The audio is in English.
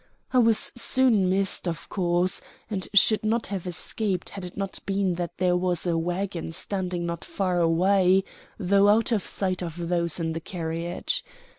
I was soon missed, of course, and should not have escaped had it not been that there was a wagon standing not far away, though out of sight of those in the carriage.